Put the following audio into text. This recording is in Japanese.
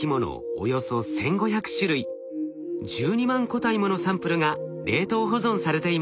およそ１，５００種類１２万個体ものサンプルが冷凍保存されています。